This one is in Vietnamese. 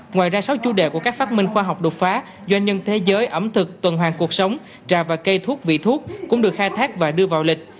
ngoài ra sáu chủ đề của các phát minh khoa học đột phá doanh nhân thế giới ẩm thực tuần hoàng cuộc sống trà và cây thuốc vị thuốc cũng được khai thác và đưa vào lịch